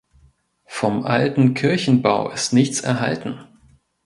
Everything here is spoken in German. Vom alten Kirchenbau ist nichts erhalten.